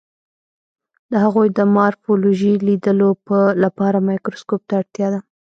د هغوی د مارفولوژي لیدلو لپاره مایکروسکوپ ته اړتیا ده.